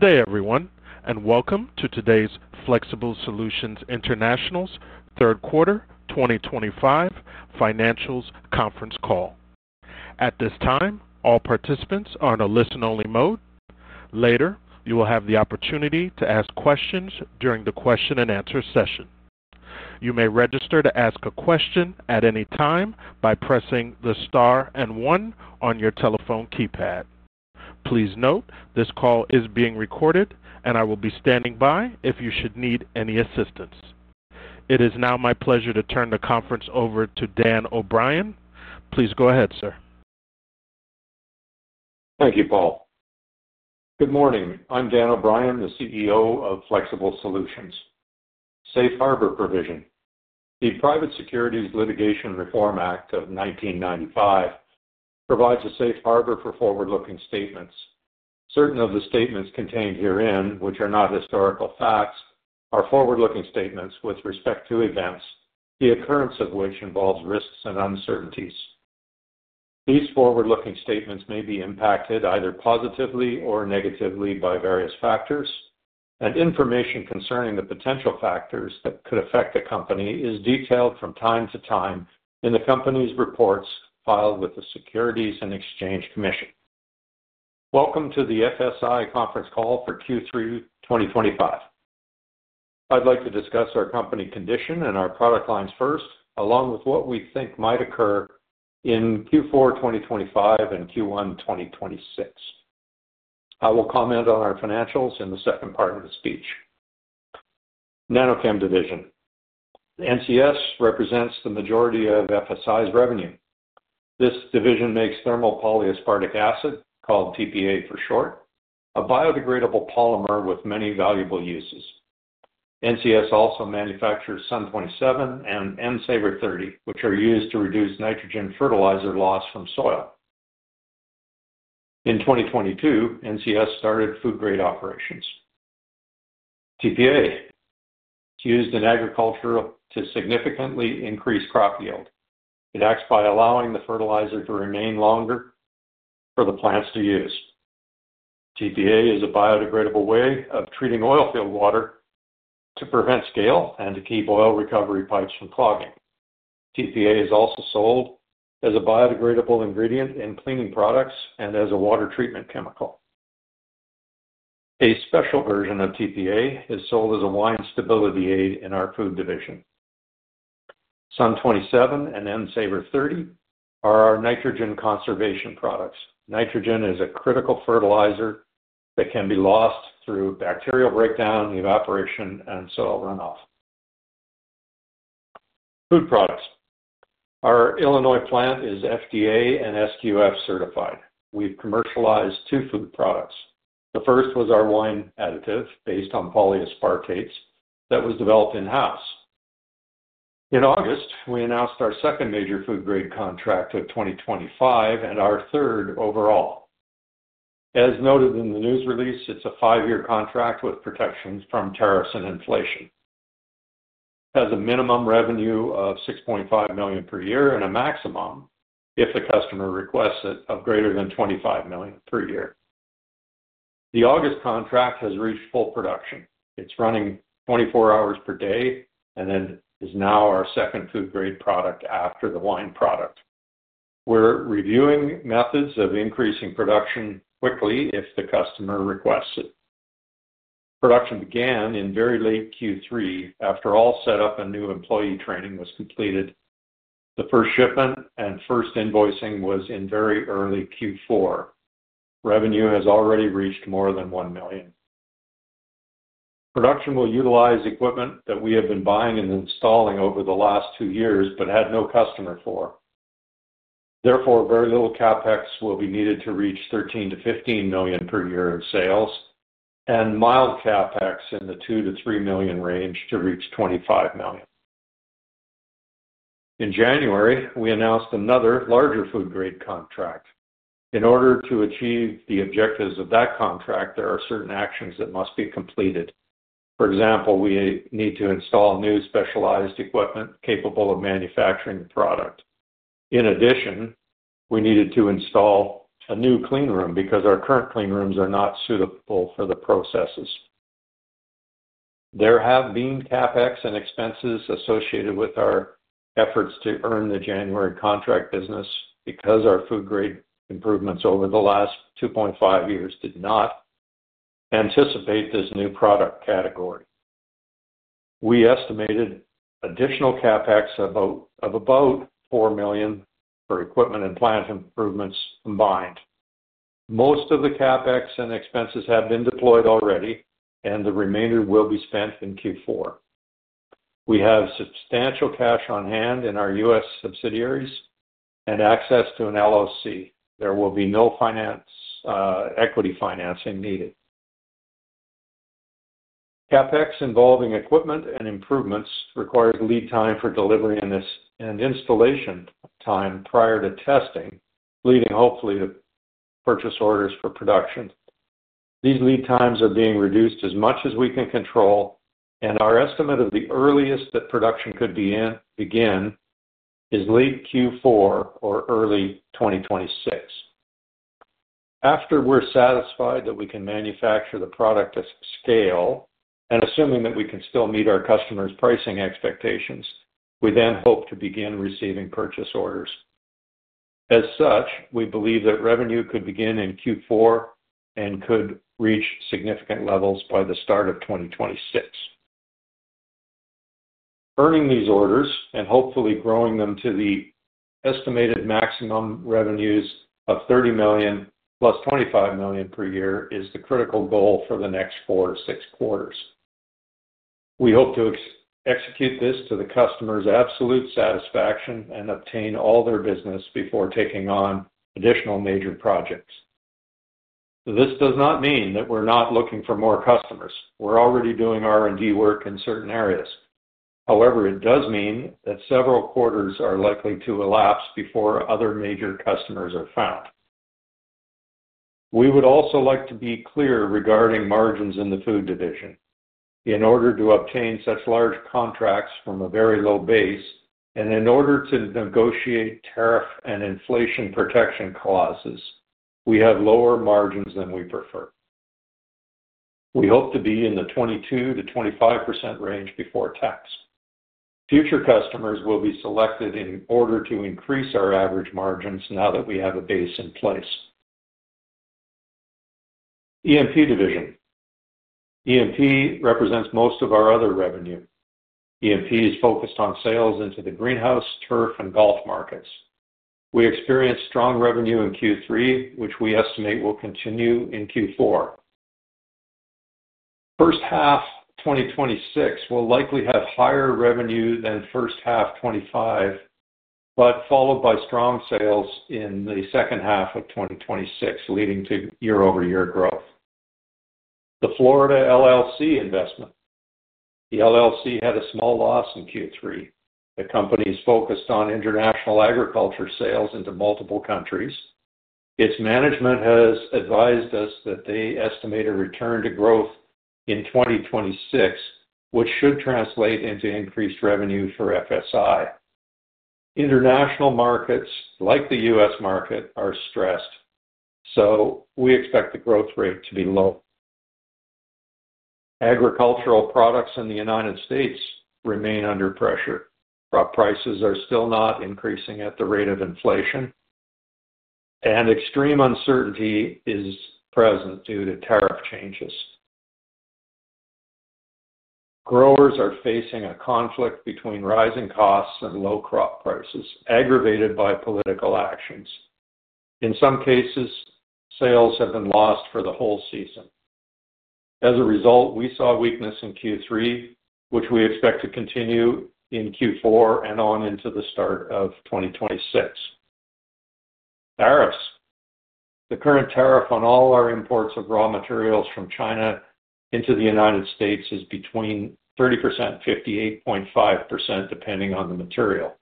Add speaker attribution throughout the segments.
Speaker 1: Good day, everyone, and welcome to today's Flexible Solutions International's third quarter, 2025, financials conference call. At this time, all participants are in a listen-only mode. Later, you will have the opportunity to ask questions during the question-and-answer session. You may register to ask a question at any time by pressing the star and one on your telephone keypad. Please note this call is being recorded, and I will be standing by if you should need any assistance. It is now my pleasure to turn the conference over to Dan O'Brien. Please go ahead, sir.
Speaker 2: Thank you, Paul. Good morning. I'm Dan O'Brien, the CEO of Flexible Solutions. Safe Harbor Provision. The Private Securities Litigation Reform Act of 1995 provides a safe harbor for forward-looking statements. Certain of the statements contained herein, which are not historical facts, are forward-looking statements with respect to events, the occurrence of which involves risks and uncertainties. These forward-looking statements may be impacted either positively or negatively by various factors, and information concerning the potential factors that could affect a company is detailed from time to time in the company's reports filed with the Securities and Exchange Commission. Welcome to the FSI conference call for Q3 2025. I'd like to discuss our company condition and our product lines first, along with what we think might occur in Q4 2025 and Q1 2026. I will comment on our financials in the second part of the speech. Nanocam Division. NCS represents the majority of FSI's revenue. This division makes thermopolyaspartic acid, called TPA for short, a biodegradable polymer with many valuable uses. NCS also manufactures Sun27 and M-Saver 30, which are used to reduce nitrogen fertilizer loss from soil. In 2022, NCS started food-grade operations. TPA is used in agriculture to significantly increase crop yield. It acts by allowing the fertilizer to remain longer for the plants to use. TPA is a biodegradable way of treating oilfield water to prevent scale and to keep oil recovery pipes from clogging. TPA is also sold as a biodegradable ingredient in cleaning products and as a water treatment chemical. A special version of TPA is sold as a wine stability aid in our food division. Sun27 and M-Saver 30 are our nitrogen conservation products. Nitrogen is a critical fertilizer that can be lost through bacterial breakdown, evaporation, and soil runoff. Food products. Our Illinois plant is FDA and SQF certified. We've commercialized two food products. The first was our wine additive based on polyaspartates that was developed in-house. In August, we announced our second major food-grade contract of 2025 and our third overall. As noted in the news release, it's a five-year contract with protections from tariffs and inflation. It has a minimum revenue of $6.5 million per year and a maximum, if the customer requests it, of greater than $25 million per year. The August contract has reached full production. It's running 24 hours per day and is now our second food-grade product after the wine product. We're reviewing methods of increasing production quickly if the customer requests it. Production began in very late Q3 after all setup and new employee training was completed. The first shipment and first invoicing was in very early Q4. Revenue has already reached more than $1 million. Production will utilize equipment that we have been buying and installing over the last two years but had no customer for. Therefore, very little CapEx will be needed to reach $13 million-$15 million per year of sales and mild CapEx in the $2 million-$3 million range to reach $25 million. In January, we announced another larger food-grade contract. In order to achieve the objectives of that contract, there are certain actions that must be completed. For example, we need to install new specialized equipment capable of manufacturing the product. In addition, we needed to install a new clean room because our current clean rooms are not suitable for the processes. There have been CapEx and expenses associated with our efforts to earn the January contract business because our food-grade improvements over the last 2.5 years did not anticipate this new product category. We estimated additional CapEx of about $4 million for equipment and plant improvements combined. Most of the CapEx and expenses have been deployed already, and the remainder will be spent in Q4. We have substantial cash on hand in our U.S. subsidiaries and access to an LLC. There will be no equity financing needed. CapEx involving equipment and improvements requires lead time for delivery and installation time prior to testing, leading hopefully to purchase orders for production. These lead times are being reduced as much as we can control, and our estimate of the earliest that production could begin is late Q4 or early 2026. After we're satisfied that we can manufacture the product at scale and assuming that we can still meet our customers' pricing expectations, we then hope to begin receiving purchase orders. As such, we believe that revenue could begin in Q4 and could reach significant levels by the start of 2026. Earning these orders and hopefully growing them to the estimated maximum revenues of $30 million plus $25 million per year is the critical goal for the next four to six quarters. We hope to execute this to the customer's absolute satisfaction and obtain all their business before taking on additional major projects. This does not mean that we're not looking for more customers. We're already doing R&D work in certain areas. However, it does mean that several quarters are likely to elapse before other major customers are found. We would also like to be clear regarding margins in the food division. In order to obtain such large contracts from a very low base and in order to negotiate tariff and inflation protection clauses, we have lower margins than we prefer. We hope to be in the 22%-25% range before tax. Future customers will be selected in order to increase our average margins now that we have a base in place. EMP Division. EMP represents most of our other revenue. EMP is focused on sales into the greenhouse, turf, and golf markets. We experienced strong revenue in Q3, which we estimate will continue in Q4. First half 2026 will likely have higher revenue than first half 2025, but followed by strong sales in the second half of 2026, leading to year-over-year growth. The Florida LLC investment. The LLC had a small loss in Q3. The company is focused on international agriculture sales into multiple countries. Its management has advised us that they estimate a return to growth in 2026, which should translate into increased revenue for FSI. International markets, like the U.S. market, are stressed, so we expect the growth rate to be low. Agricultural products in the United States remain under pressure. Crop prices are still not increasing at the rate of inflation, and extreme uncertainty is present due to tariff changes. Growers are facing a conflict between rising costs and low crop prices, aggravated by political actions. In some cases, sales have been lost for the whole season. As a result, we saw weakness in Q3, which we expect to continue in Q4 and on into the start of 2026. Tariffs. The current tariff on all our imports of raw materials from China into the U.S. is between 30%-58.5%, depending on the material.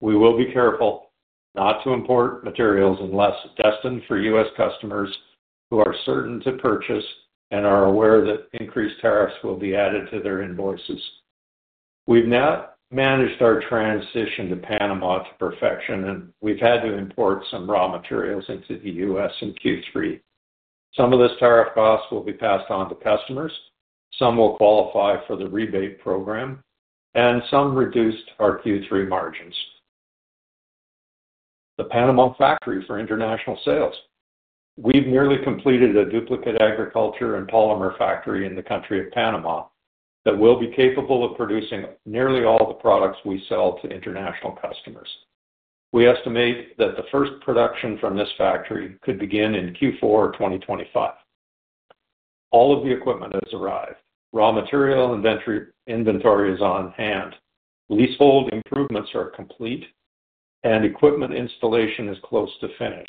Speaker 2: We will be careful not to import materials unless destined for U.S. customers who are certain to purchase and are aware that increased tariffs will be added to their invoices. We've now managed our transition to Panama to perfection, and we've had to import some raw materials into the U.S. in Q3. Some of this tariff cost will be passed on to customers. Some will qualify for the rebate program, and some reduced our Q3 margins. The Panama factory for international sales. We've nearly completed a duplicate agriculture and polymer factory in the country of Panama that will be capable of producing nearly all the products we sell to international customers. We estimate that the first production from this factory could begin in Q4 2025. All of the equipment has arrived. Raw material inventory is on hand. Leasehold improvements are complete, and equipment installation is close to finished.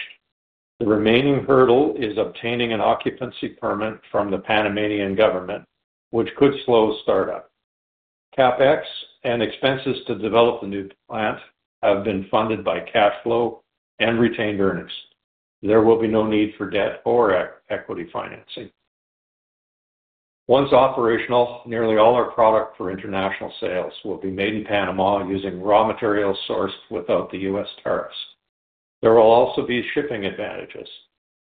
Speaker 2: The remaining hurdle is obtaining an occupancy permit from the Panamanian government, which could slow startup. CapEx and expenses to develop the new plant have been funded by cash flow and retained earnings. There will be no need for debt or equity financing. Once operational, nearly all our product for international sales will be made in Panama using raw materials sourced without the U.S. tariffs. There will also be shipping advantages.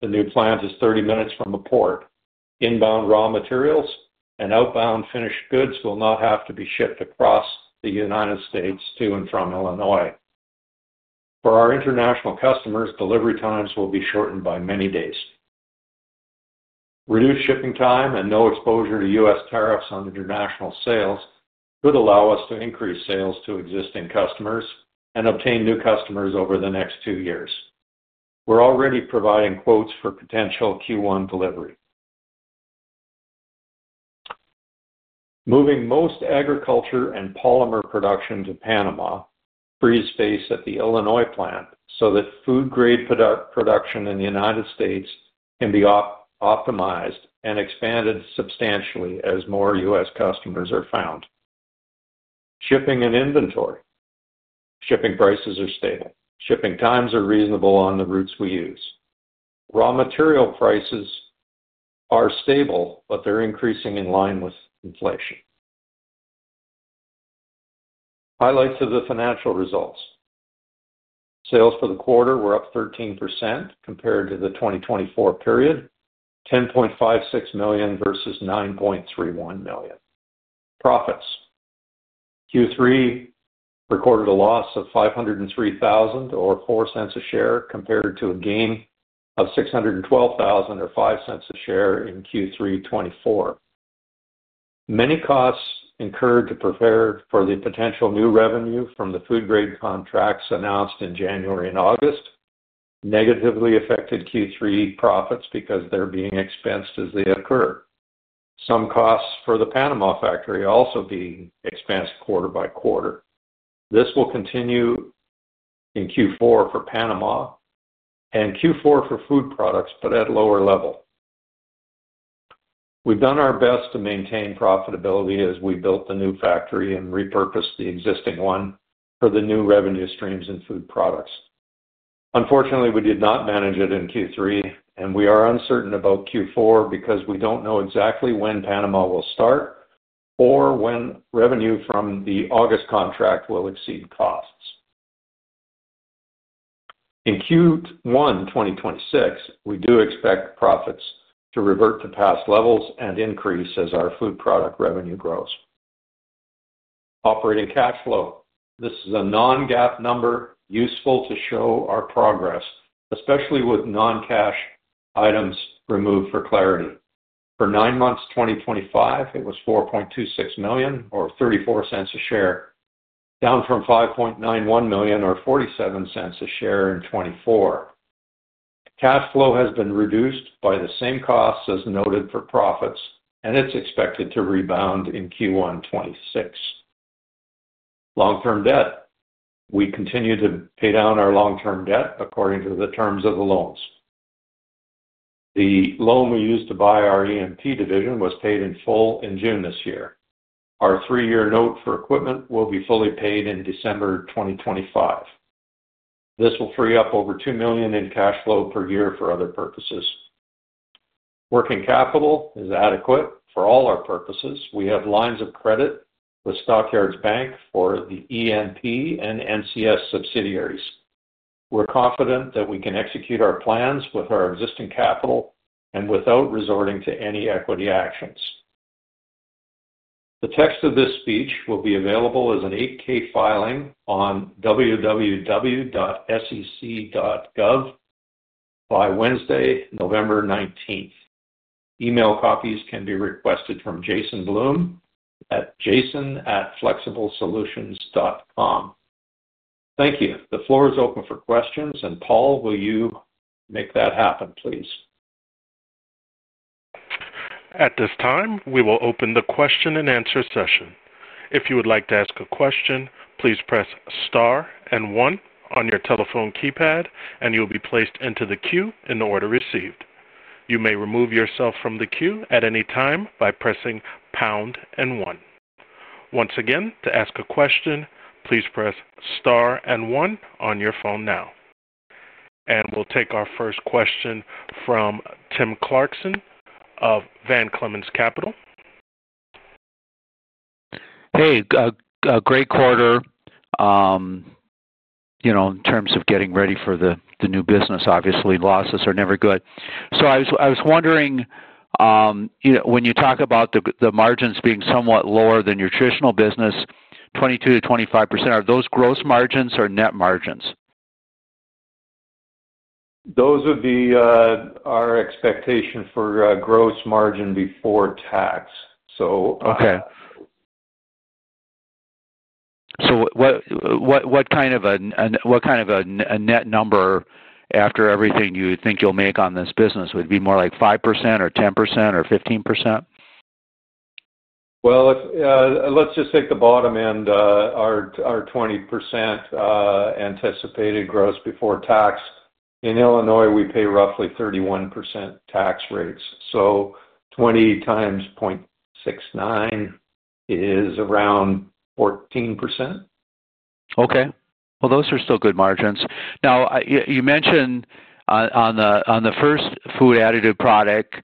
Speaker 2: The new plant is 30 minutes from a port. Inbound raw materials and outbound finished goods will not have to be shipped across the U.S. to and from Illinois. For our international customers, delivery times will be shortened by many days. Reduced shipping time and no exposure to U.S. Tariffs on international sales could allow us to increase sales to existing customers and obtain new customers over the next two years. We're already providing quotes for potential Q1 delivery. Moving most agriculture and polymer production to Panama frees space at the Illinois plant so that food-grade production in the United States can be optimized and expanded substantially as more U.S. customers are found. Shipping and inventory. Shipping prices are stable. Shipping times are reasonable on the routes we use. Raw material prices are stable, but they're increasing in line with inflation. Highlights of the financial results. Sales for the quarter were up 13% compared to the 2024 period, $10.56 million versus $9.31 million. Profits. Q3 recorded a loss of $503,000 or $0.04 a share compared to a gain of $612,000 or $0.05 a share in Q3 2024. Many costs incurred to prepare for the potential new revenue from the food-grade contracts announced in January and August negatively affected Q3 profits because they're being expensed as they occur. Some costs for the Panama factory also being expensed quarter-by-quarter. This will continue in Q4 for Panama and Q4 for food products, but at a lower level. We've done our best to maintain profitability as we built the new factory and repurposed the existing one for the new revenue streams in food products. Unfortunately, we did not manage it in Q3, and we are uncertain about Q4 because we don't know exactly when Panama will start or when revenue from the August contract will exceed costs. In Q1 2026, we do expect profits to revert to past levels and increase as our food product revenue grows. Operating cash flow. This is a non-GAAP number useful to show our progress, especially with non-cash items removed for clarity. For nine months 2025, it was $4.26 million or $0.34 a share, down from $5.91 million or $0.47 a share in 2024. Cash flow has been reduced by the same costs as noted for profits, and it is expected to rebound in Q1 2026. Long-term debt. We continue to pay down our long-term debt according to the terms of the loans. The loan we used to buy our EMP division was paid in full in June this year. Our three-year note for equipment will be fully paid in December 2025. This will free up over $2 million in cash flow per year for other purposes. Working capital is adequate for all our purposes. We have lines of credit with Stockyards Bank for the EMP and NCS subsidiaries. We're confident that we can execute our plans with our existing capital and without resorting to any equity actions. The text of this speech will be available as an 8K filing on www.sec.gov by Wednesday, November 19th. Email copies can be requested from Jason Bloom at jason@flexiblesolutions.com. Thank you. The floor is open for questions, and Paul, will you make that happen, please?
Speaker 1: At this time, we will open the question and answer session. If you would like to ask a question, please press star and one on your telephone keypad, and you'll be placed into the queue in order received. You may remove yourself from the queue at any time by pressing pound and one. Once again, to ask a question, please press star and one on your phone now. We'll take our first question from Tim Clarkson of Van Clemens Capital.
Speaker 3: Hey, great quarter. In terms of getting ready for the new business, obviously, losses are never good. I was wondering, when you talk about the margins being somewhat lower than nutritional business, 22%-25%, are those gross margins or net margins?
Speaker 2: Those are our expectation for gross margin before tax.
Speaker 3: Okay. What kind of a net number after everything you think you'll make on this business would be more like 5% or 10% or 15%?
Speaker 2: Let's just take the bottom end, our 20% anticipated gross before tax. In Illinois, we pay roughly 31% tax rates. So 20 times 0.69 is around 14%.
Speaker 3: Okay. Those are still good margins. You mentioned on the first food additive product,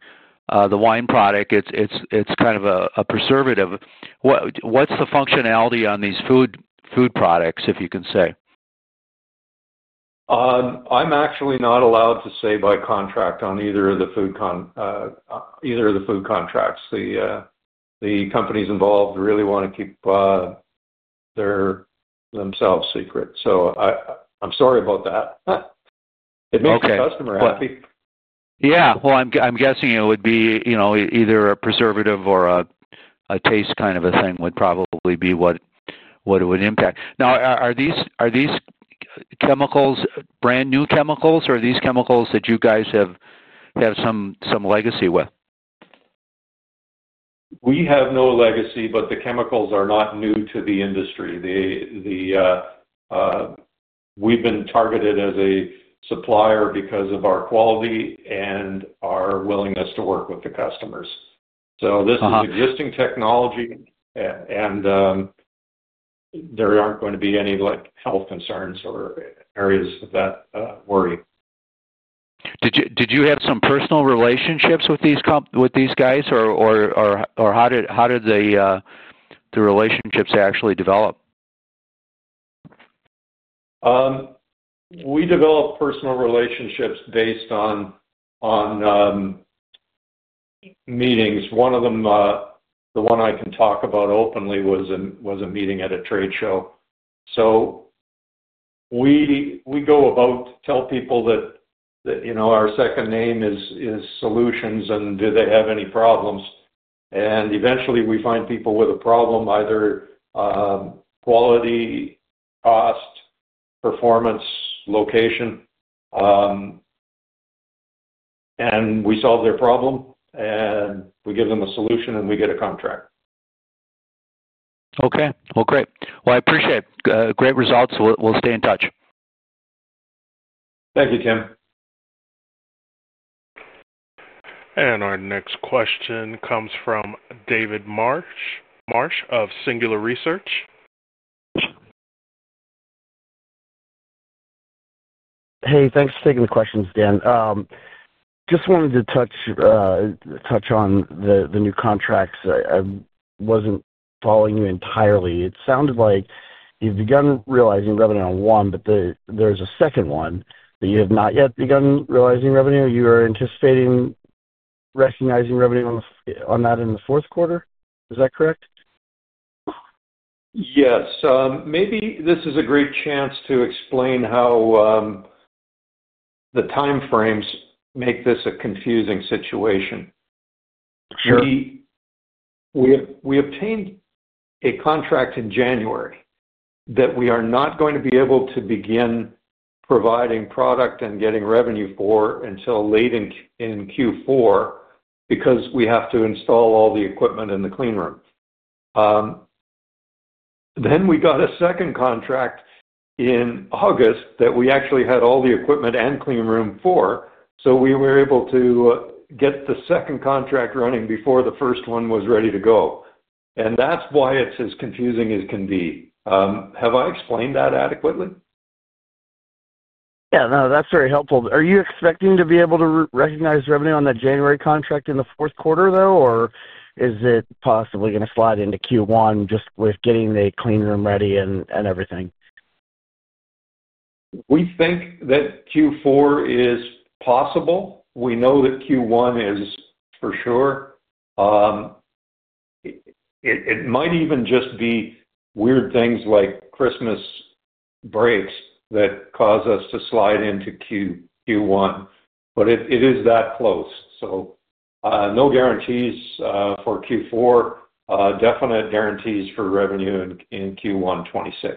Speaker 3: the wine product, it's kind of a preservative. What's the functionality on these food products, if you can say?
Speaker 2: I'm actually not allowed to say by contract on either of the food contracts. The companies involved really want to keep themselves secret. I'm sorry about that. It makes the customer happy.
Speaker 3: I'm guessing it would be either a preservative or a taste kind of a thing would probably be what it would impact. Now, are these chemicals brand new chemicals, or are these chemicals that you guys have some legacy with?
Speaker 2: We have no legacy, but the chemicals are not new to the industry. We've been targeted as a supplier because of our quality and our willingness to work with the customers. This is existing technology, and there aren't going to be any health concerns or areas of that worry.
Speaker 3: Did you have some personal relationships with these guys, or how did the relationships actually develop?
Speaker 2: We develop personal relationships based on meetings. One of them, the one I can talk about openly, was a meeting at a trade show. We go about telling people that our second name is Solutions and do they have any problems. Eventually, we find people with a problem, either quality, cost, performance, location. We solve their problem, and we give them a solution, and we get a contract.
Speaker 3: Great. I appreciate it. Great results. We'll stay in touch.
Speaker 2: Thank you, Tim.
Speaker 1: Our next question comes from David Marsh of Singular Research.
Speaker 4: Hey, thanks for taking the questions, Dan. Just wanted to touch on the new contracts. I was not following you entirely. It sounded like you have begun realizing revenue on one, but there is a second one that you have not yet begun realizing revenue. You are anticipating recognizing revenue on that in the fourth quarter. Is that correct?
Speaker 2: Yes. Maybe this is a great chance to explain how the timeframes make this a confusing situation. We obtained a contract in January that we are not going to be able to begin providing product and getting revenue for until late in Q4 because we have to install all the equipment in the cleanroom. We got a second contract in August that we actually had all the equipment and cleanroom for. We were able to get the second contract running before the first one was ready to go. That is why it is as confusing as can be. Have I explained that adequately?
Speaker 4: Yeah. No, that is very helpful. Are you expecting to be able to recognize revenue on that January contract in the fourth quarter, though, or is it possibly going to slide into Q1 just with getting the cleanroom ready and everything?
Speaker 2: We think that Q4 is possible. We know that Q1 is for sure. It might even just be weird things like Christmas breaks that cause us to slide into Q1. It is that close. No guarantees for Q4, definite guarantees for revenue in Q1 2026.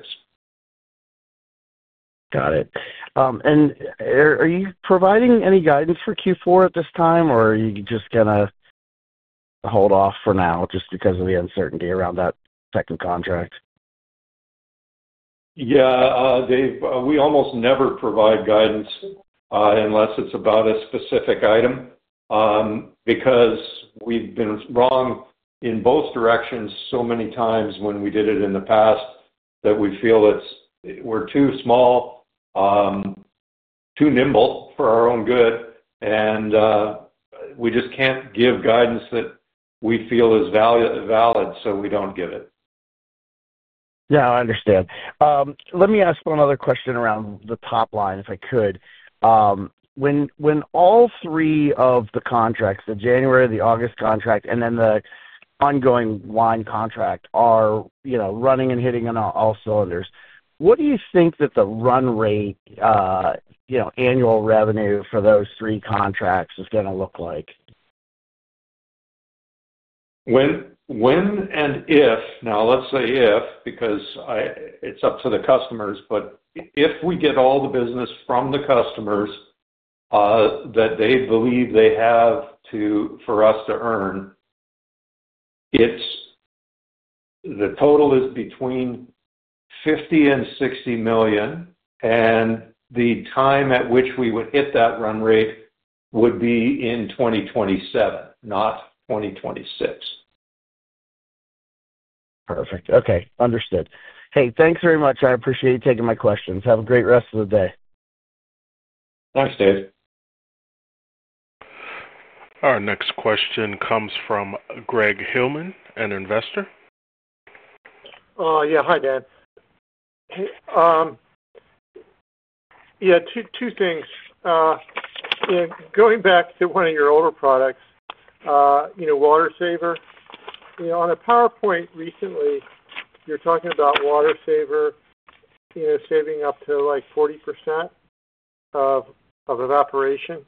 Speaker 4: Got it. Are you providing any guidance for Q4 at this time, or are you just going to hold off for now just because of the uncertainty around that second contract?
Speaker 2: Yeah. We almost never provide guidance unless it is about a specific item because we have been wrong in both directions so many times when we did it in the past that we feel we are too small, too nimble for our own good, and we just cannot give guidance that we feel is valid, so we do not give it.
Speaker 4: Yeah. I understand. Let me ask one other question around the top line, if I could. When all three of the contracts, the January, the August contract, and then the ongoing wine contract are running and hitting on all cylinders, what do you think that the run rate annual revenue for those three contracts is going to look like?
Speaker 2: When and if, now let's say if because it's up to the customers, but if we get all the business from the customers that they believe they have for us to earn, the total is between $50 million and $60 million, and the time at which we would hit that run rate would be in 2027, not 2026.
Speaker 4: Perfect. Okay. Understood. Hey, thanks very much. I appreciate you taking my questions. Have a great rest of the day.
Speaker 2: Thanks, Dave.
Speaker 1: Our next question comes from Greg Hillman, an investor.
Speaker 5: Yeah. Hi, Dan. Yeah. Two things. Going back to one of your older products, Water Saver. On a PowerPoint recently, you're talking about Water Saver saving up to 40% of evaporation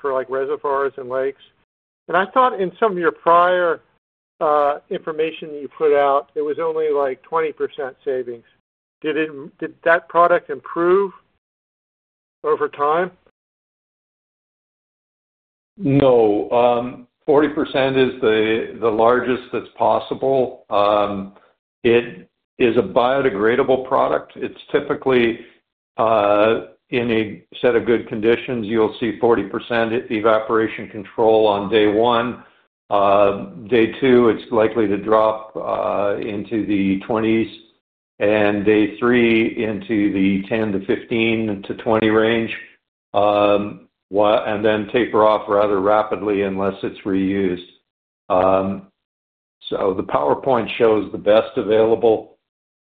Speaker 5: for reservoirs and lakes. I thought in some of your prior information that you put out, it was only 20% savings. Did that product improve over time?
Speaker 2: No. 40% is the largest that's possible. It is a biodegradable product. It's typically in a set of good conditions. You'll see 40% evaporation control on day one. Day two, it's likely to drop into the 20s, and day three, into the 10-15-20 range, and then taper off rather rapidly unless it's reused. The PowerPoint shows the best available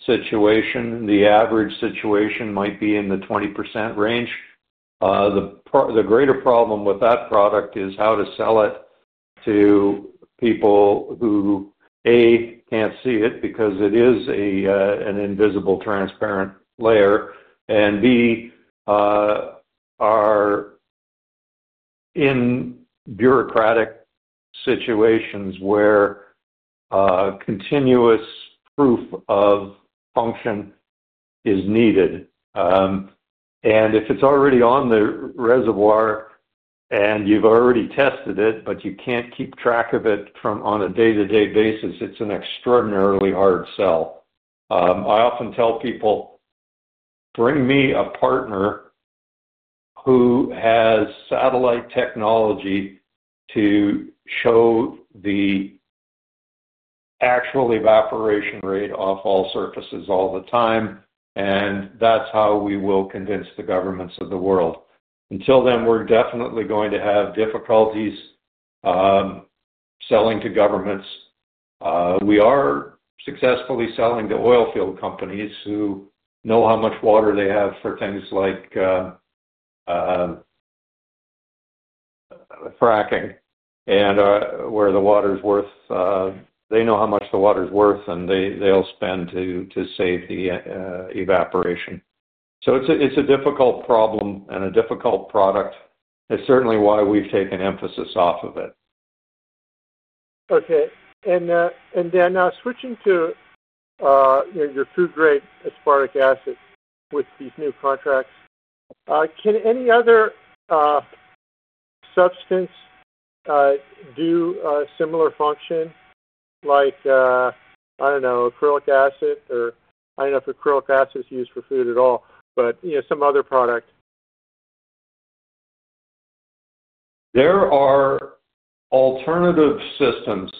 Speaker 2: situation. The average situation might be in the 20% range. The greater problem with that product is how to sell it to people who, A, can't see it because it is an invisible transparent layer, and B, are in bureaucratic situations where continuous proof of function is needed. If it's already on the reservoir and you've already tested it, but you can't keep track of it on a day-to-day basis, it's an extraordinarily hard sell. I often tell people, "Bring me a partner who has satellite technology to show the actual evaporation rate off all surfaces all the time," and that's how we will convince the governments of the world. Until then, we're definitely going to have difficulties selling to governments. We are successfully selling to oil field companies who know how much water they have for things like fracking and where the water's worth. They know how much the water's worth, and they'll spend to save the evaporation. It's a difficult problem and a difficult product. It's certainly why we've taken emphasis off of it.
Speaker 5: Okay. Switching to your food-grade aspartic acid, with these new contracts, can any other substance do a similar function, like, I don't know, acrylic acid, or I don't know if acrylic acid is used for food at all, but some other product?
Speaker 2: There are alternative systems.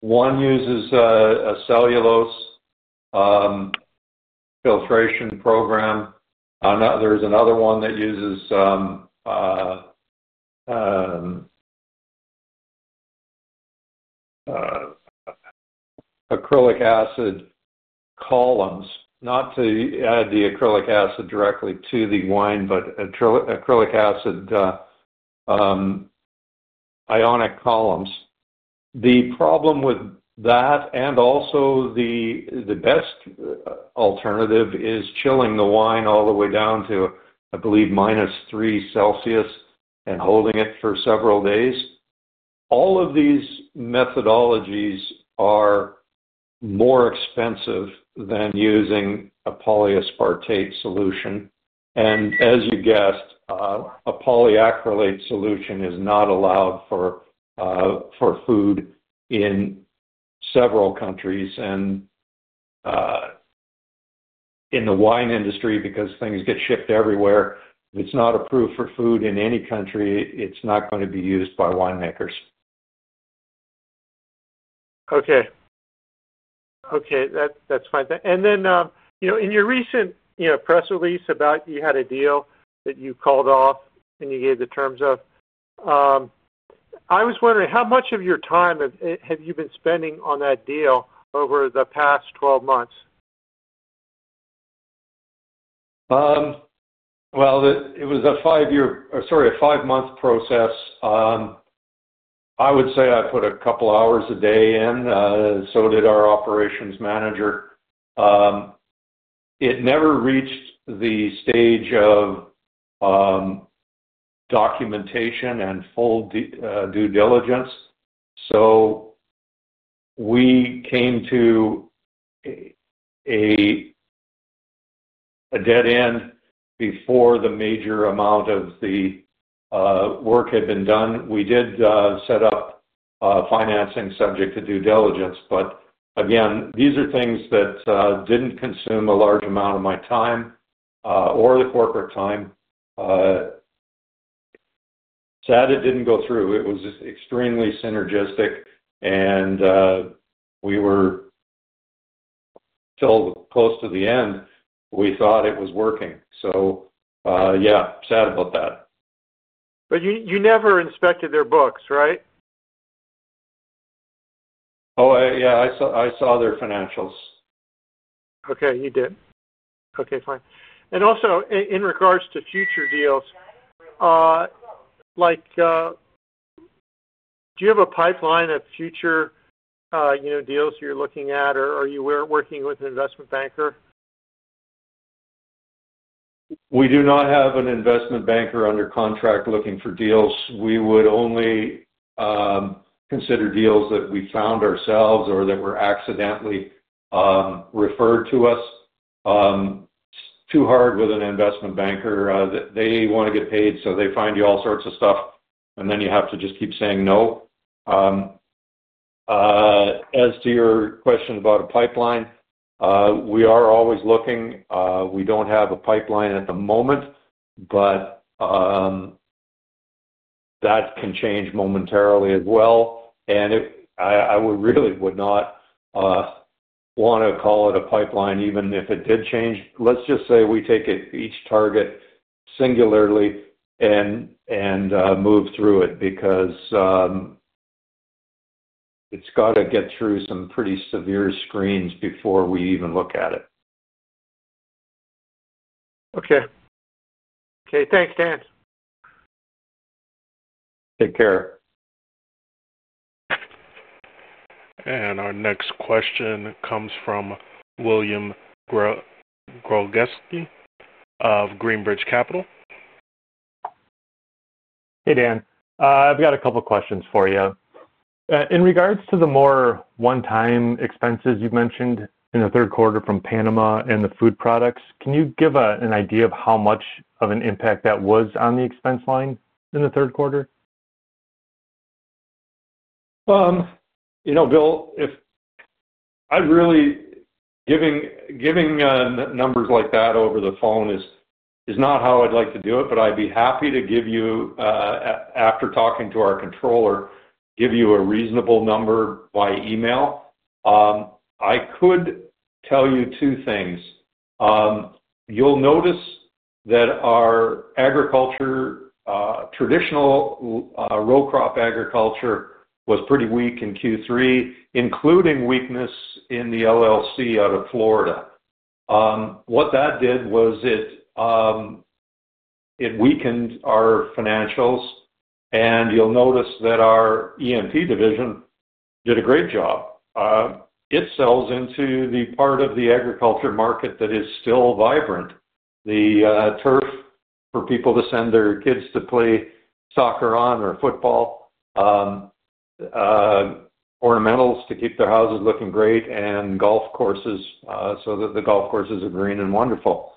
Speaker 2: One uses a cellulose filtration program. There's another one that uses acrylic acid columns, not to add the acrylic acid directly to the wine, but acrylic acid ionic columns. The problem with that, and also the best alternative, is chilling the wine all the way down to, I believe, minus 3 degrees Celsius and holding it for several days. All of these methodologies are more expensive than using a polyaspartate solution. As you guessed, a polyacrylate solution is not allowed for food in several countries. In the wine industry, because things get shipped everywhere, if it is not approved for food in any country, it is not going to be used by winemakers.
Speaker 5: Okay. Okay. That is fine. In your recent press release about you had a deal that you called off and you gave the terms of, I was wondering how much of your time have you been spending on that deal over the past 12 months?
Speaker 2: It was a five-year or, sorry, a five-month process. I would say I put a couple of hours a day in, so did our operations manager. It never reached the stage of documentation and full due diligence. We came to a dead end before the major amount of the work had been done. We did set up financing subject to due diligence. But again, these are things that did not consume a large amount of my time or the corporate time. Sad it did not go through. It was extremely synergistic, and we were till close to the end, we thought it was working. Yeah, sad about that.
Speaker 5: You never inspected their books, right?
Speaker 2: Oh, yeah. I saw their financials.
Speaker 5: Okay. You did. Okay. Fine. Also in regards to future deals, do you have a pipeline of future deals you are looking at, or are you working with an investment banker?
Speaker 2: We do not have an investment banker under contract looking for deals. We would only consider deals that we found ourselves or that were accidentally referred to us. It is too hard with an investment banker. They want to get paid, so they find you all sorts of stuff, and then you have to just keep saying no. As to your question about a pipeline, we are always looking. We do not have a pipeline at the moment, but that can change momentarily as well. I really would not want to call it a pipeline even if it did change. Let's just say we take each target singularly and move through it because it has to get through some pretty severe screens before we even look at it.
Speaker 5: Okay. Okay. Thanks, Dan. Take care.
Speaker 1: Our next question comes from William Grogesky of Greenbridge Capital.
Speaker 6: Hey, Dan. I have a couple of questions for you. In regards to the more one-time expenses you have mentioned in the third quarter from Panama and the food products, can you give an idea of how much of an impact that was on the expense line in the third quarter?
Speaker 2: Will, giving numbers like that over the phone is not how I would like to do it, but I would be happy to give you, after talking to our controller, a reasonable number by email. I could tell you two things. You will notice that our agriculture, traditional row crop agriculture, was pretty weak in Q3, including weakness in the LLC out of Florida. What that did was it weakened our financials, and you will notice that our EMP division did a great job. It sells into the part of the agriculture market that is still vibrant. The turf for people to send their kids to play soccer on or football, ornamentals to keep their houses looking great, and golf courses so that the golf courses are green and wonderful.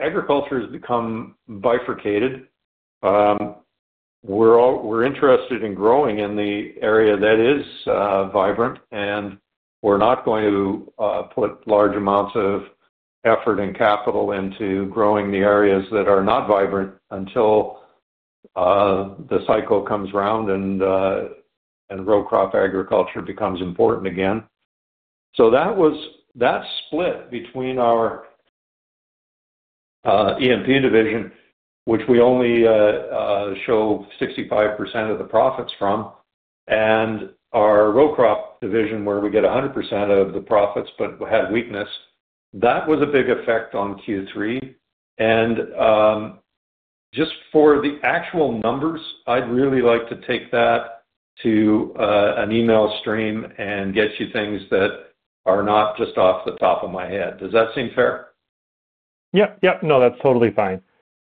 Speaker 2: Agriculture has become bifurcated. We're interested in growing in the area that is vibrant, and we're not going to put large amounts of effort and capital into growing the areas that are not vibrant until the cycle comes around and row crop agriculture becomes important again. That split between our EMP division, which we only show 65% of the profits from, and our row crop division, where we get 100% of the profits but had weakness, was a big effect on Q3. Just for the actual numbers, I'd really like to take that to an email stream and get you things that are not just off the top of my head. Does that seem fair?
Speaker 6: Yep. Yep. No, that's totally fine.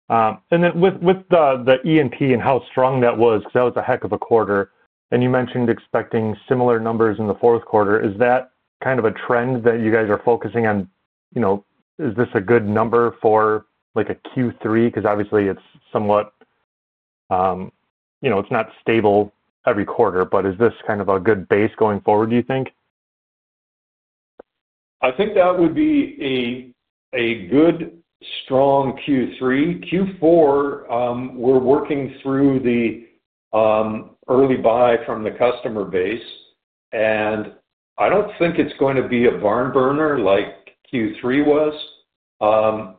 Speaker 6: With the EMP and how strong that was, because that was a heck of a quarter, and you mentioned expecting similar numbers in the fourth quarter, is that kind of a trend that you guys are focusing on? Is this a good number for a Q3? Obviously, it's somewhat, it's not stable every quarter, but is this kind of a good base going forward, do you think?
Speaker 2: I think that would be a good, strong Q3. Q4, we're working through the early buy from the customer base, and I don't think it's going to be a barn burner like Q3 was,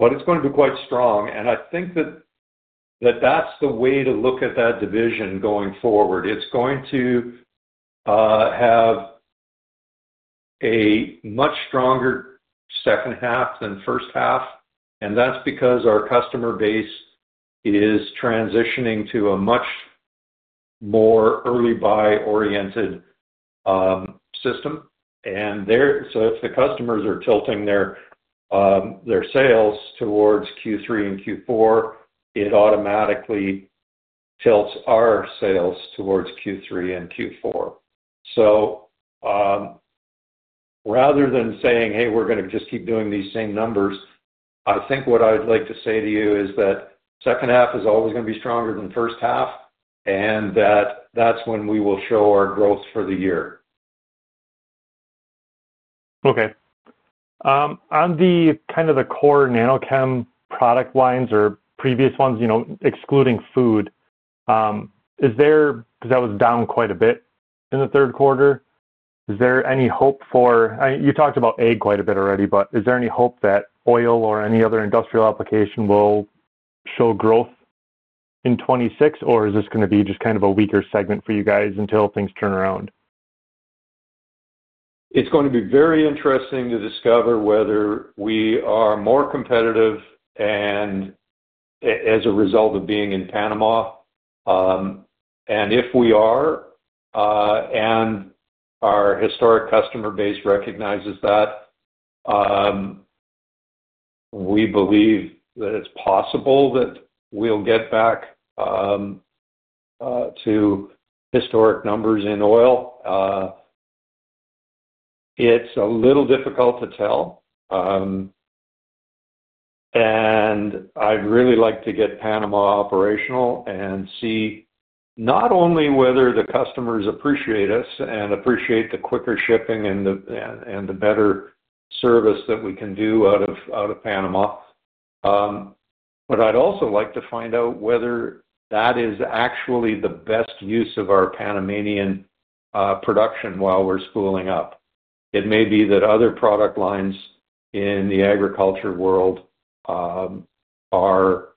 Speaker 2: but it's going to be quite strong. I think that that's the way to look at that division going forward. It's going to have a much stronger second half than first half, and that's because our customer base is transitioning to a much more early buy-oriented system. If the customers are tilting their sales towards Q3 and Q4, it automatically tilts our sales towards Q3 and Q4. Rather than saying, "Hey, we're going to just keep doing these same numbers," I think what I'd like to say to you is that second half is always going to be stronger than first half, and that's when we will show our growth for the year.
Speaker 6: Okay. On kind of the core Nanochem product lines or previous ones, excluding food, because that was down quite a bit in the third quarter, is there any hope for you talked about ag quite a bit already, but is there any hope that oil or any other industrial application will show growth in 2026, or is this going to be just kind of a weaker segment for you guys until things turn around?
Speaker 2: It's going to be very interesting to discover whether we are more competitive as a result of being in Panama. If we are, and our historic customer base recognizes that, we believe that it's possible that we'll get back to historic numbers in oil. It's a little difficult to tell, and I'd really like to get Panama operational and see not only whether the customers appreciate us and appreciate the quicker shipping and the better service that we can do out of Panama, but I'd also like to find out whether that is actually the best use of our Panamanian production while we're spooling up. It may be that other product lines in the agriculture world are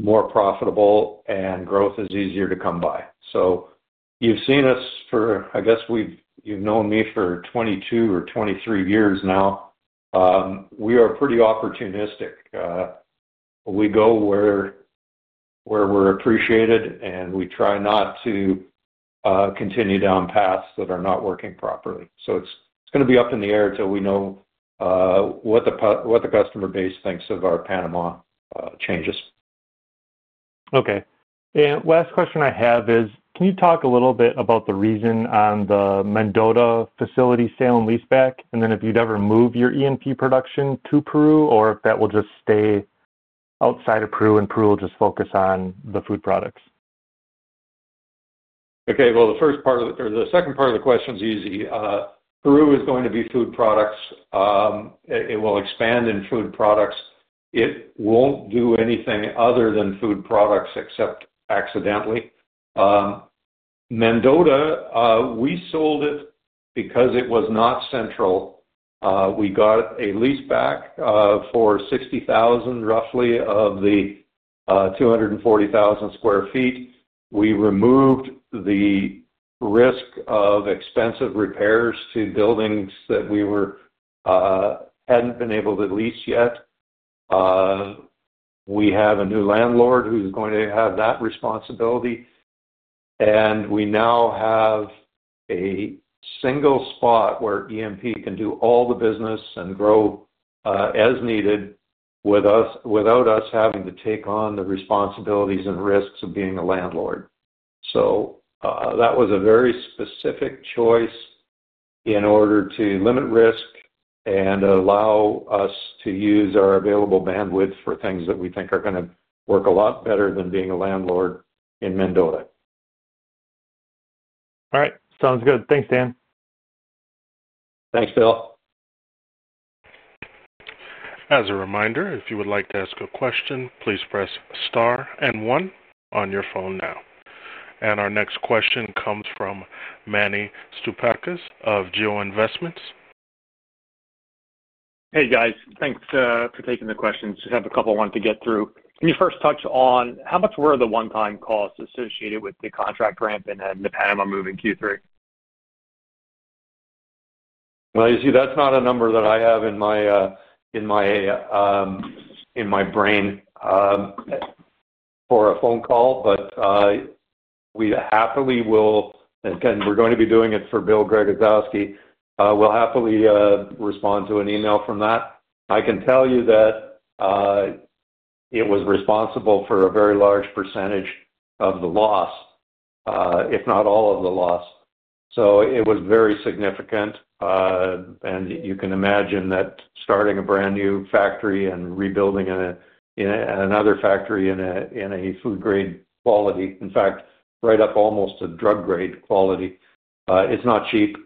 Speaker 2: more profitable, and growth is easier to come by. You've seen us for, I guess, you've known me for 22 or 23 years now. We are pretty opportunistic. We go where we're appreciated, and we try not to continue down paths that are not working properly. It's going to be up in the air until we know what the customer base thinks of our Panama changes.
Speaker 6: Okay. Last question I have is, can you talk a little bit about the reason on the Mendota facility sale and leaseback, and then if you'd ever move your EMP production to Peru or if that will just stay outside of Peru and Peru will just focus on the food products?
Speaker 2: Okay. The first part or the second part of the question is easy. Peru is going to be food products. It will expand in food products. It will not do anything other than food products except accidentally. Mendota, we sold it because it was not central. We got a leaseback for $60,000 roughly of the 240,000 sq ft. We removed the risk of expensive repairs to buildings that we had not been able to lease yet. We have a new landlord who is going to have that responsibility. We now have a single spot where EMP can do all the business and grow as needed without us having to take on the responsibilities and risks of being a landlord. That was a very specific choice in order to limit risk and allow us to use our available bandwidth for things that we think are going to work a lot better than being a landlord in Mendota.
Speaker 6: All right. Sounds good. Thanks, Dan.
Speaker 2: Thanks, Will.
Speaker 1: As a reminder, if you would like to ask a question, please press star and one on your phone now. Our next question comes from Manny Stoupakis of Geo Investments.
Speaker 7: Hey, guys. Thanks for taking the questions. Just have a couple I wanted to get through. Can you first touch on how much were the one-time costs associated with the contract ramp and then the Panama moving Q3?
Speaker 2: That is not a number that I have in my brain for a phone call, but we happily will again, we are going to be doing it for Will Grogesky. We will happily respond to an email from that. I can tell you that it was responsible for a very large percentage of the loss, if not all of the loss. It was very significant, and you can imagine that starting a brand new factory and rebuilding another factory in a food-grade quality, in fact, right up almost to drug-grade quality, is not cheap.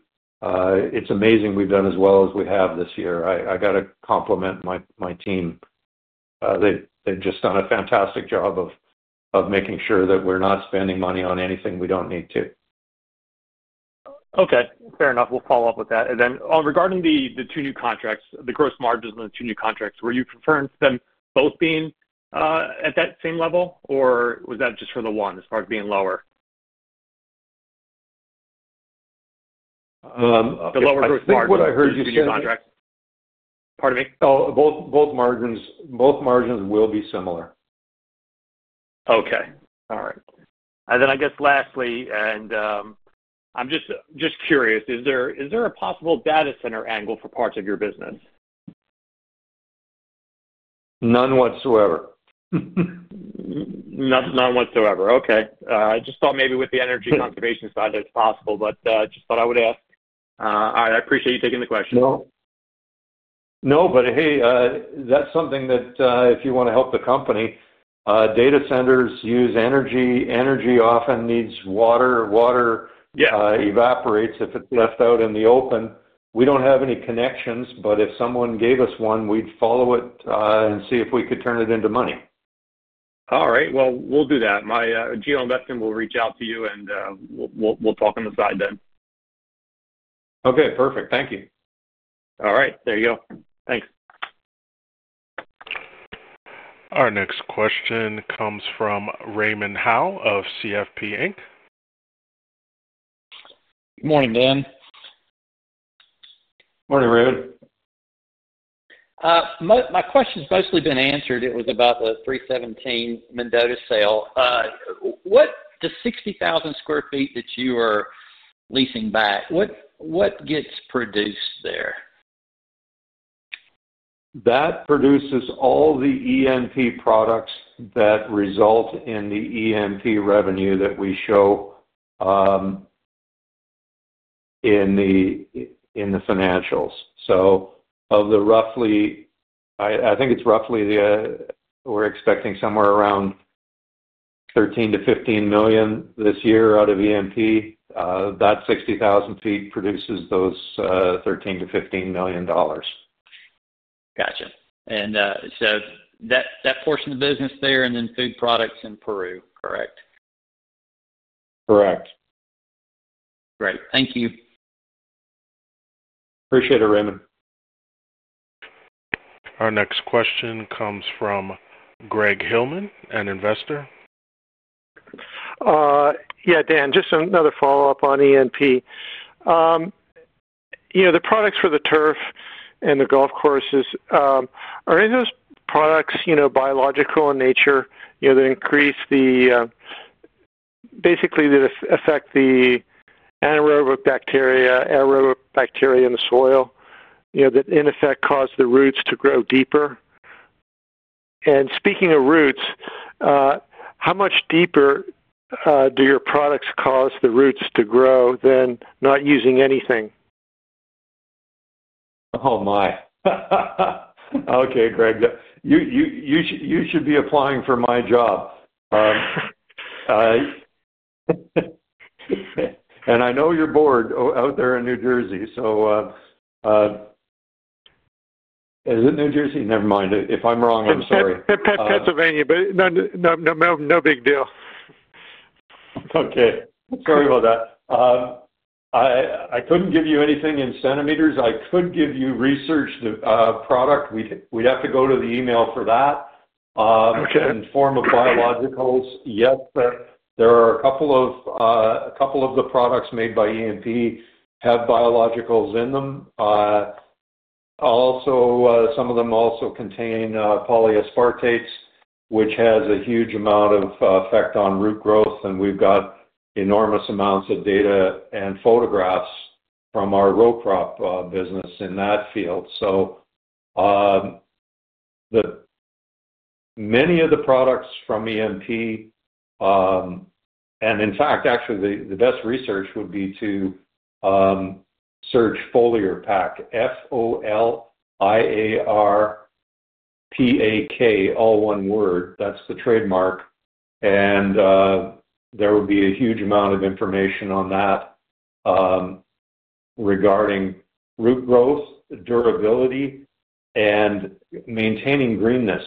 Speaker 2: It is amazing we have done as well as we have this year. I have to compliment my team. They have just done a fantastic job of making sure that we are not spending money on anything we do not need to.
Speaker 7: Okay. Fair enough. We will follow up with that. Regarding the two new contracts, the gross margins on the two new contracts, were you concerned with them both being at that same level, or was that just for the one as far as being lower?
Speaker 2: The lower gross margins on the two new contracts. Pardon me? Oh, both margins will be similar.
Speaker 7: Okay. All right. I guess lastly, and I'm just curious, is there a possible data center angle for parts of your business?
Speaker 2: None whatsoever.
Speaker 7: None whatsoever. Okay. I just thought maybe with the energy conservation side, it's possible, but just thought I would ask. All right. I appreciate you taking the question.
Speaker 2: Nope. No, but hey, that's something that if you want to help the company. Data centers use energy. Energy often needs water. Water evaporates if it's left out in the open. We don't have any connections, but if someone gave us one, we'd follow it and see if we could turn it into money.
Speaker 7: All right. We'll do that. My Geo Investments will reach out to you, and we'll talk on the side then.
Speaker 2: Okay. Perfect. Thank you. All right. There you go. Thanks.
Speaker 1: Our next question comes from Raymond Howe of CFP Inc.
Speaker 8: Good morning, Dan. Morning, Raymond. My question's mostly been answered. It was about the 317 Mendota sale. The 60,000 sq ft that you are leasing back, what gets produced there?
Speaker 2: That produces all the EMP products that result in the EMP revenue that we show in the financials. So of the roughly I think it's roughly we're expecting somewhere around $13 million-$15 million this year out of EMP. That 60,000 sq ft produces those $13 million-$15 million.
Speaker 8: Gotcha. And so that portion of the business there and then food products in Peru, correct?
Speaker 2: Correct.
Speaker 8: Great. Thank you.
Speaker 2: Appreciate it, Raymond.
Speaker 1: Our next question comes from Greg Hillman, an investor.
Speaker 5: Yeah, Dan, just another follow-up on EMP. The products for the turf and the golf courses, are any of those products biological in nature that increase the basically that affect the anaerobic bacteria, aerobic bacteria in the soil that in effect cause the roots to grow deeper? And speaking of roots, how much deeper do your products cause the roots to grow than not using anything?
Speaker 2: Oh, my. Okay, Greg. You should be applying for my job. And I know you're bored out there in New Jersey. So is it New Jersey? Never mind. If I'm wrong, I'm sorry. Pennsylvania, but no big deal. Okay. Sorry about that. I couldn't give you anything in centimeters. I could give you researched product. We'd have to go to the email for that and form of biologicals. Yes, there are a couple of the products made by EMP have biologicals in them. Also, some of them also contain polyaspartates, which has a huge amount of effect on root growth, and we've got enormous amounts of data and photographs from our row crop business in that field. Many of the products from EMP and in fact, actually, the best research would be to search Foliarpack, F-O-L-I-A-R-P-A-K, all one word. That's the trademark. There would be a huge amount of information on that regarding root growth, durability, and maintaining greenness.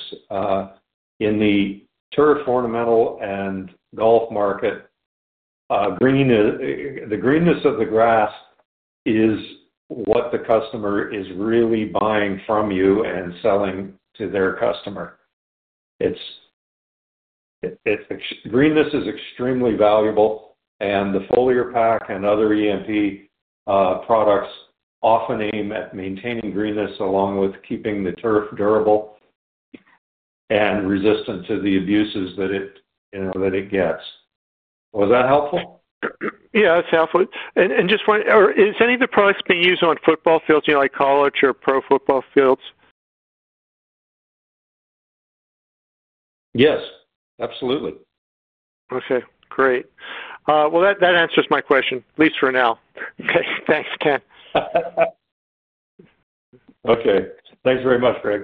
Speaker 2: In the turf, ornamental, and golf market, the greenness of the grass is what the customer is really buying from you and selling to their customer. Greenness is extremely valuable, and the Foliarpack and other EMP products often aim at maintaining greenness along with keeping the turf durable and resistant to the abuses that it gets. Was that helpful?
Speaker 5: Yeah, it's helpful. Just wondering, are any of the products being used on football fields, like college or pro football fields?
Speaker 2: Yes, absolutely.
Speaker 5: Okay. Great. That answers my question, at least for now. Okay. Thanks, Dan.
Speaker 2: Okay. Thanks very much, Greg.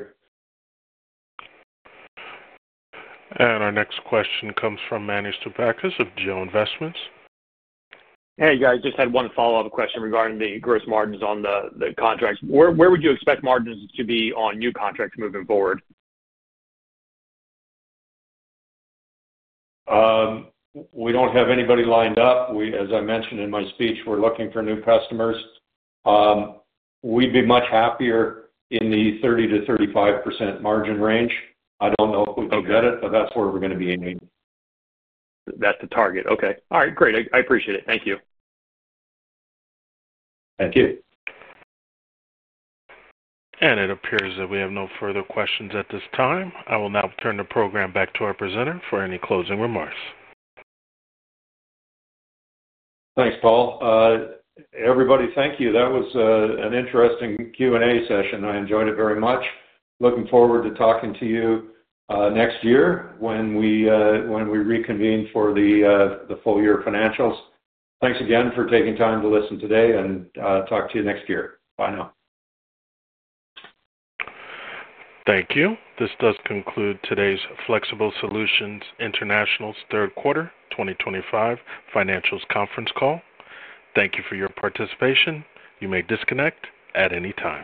Speaker 1: Our next question comes from Manny Stoupakis of Geo Investments.
Speaker 7: Hey, guys. Just had one follow-up question regarding the gross margins on the contracts. Where would you expect margins to be on new contracts moving forward?
Speaker 2: We don't have anybody lined up. As I mentioned in my speech, we're looking for new customers. We'd be much happier in the 30%-35% margin range. I don't know if we can get it, but that's where we're going to be aiming. That's the target.
Speaker 7: Okay. All right. Great. I appreciate it. Thank you.
Speaker 1: Thank you. It appears that we have no further questions at this time. I will now turn the program back to our presenter for any closing remarks.
Speaker 2: Thanks, Paul. Everybody, thank you. That was an interesting Q&A session. I enjoyed it very much. Looking forward to talking to you next year when we reconvene for the full-year financials. Thanks again for taking time to listen today and talk to you next year. Bye now.
Speaker 1: Thank you. This does conclude today's Flexible Solutions International's third quarter 2025 financials conference call. Thank you for your participation. You may disconnect at any time.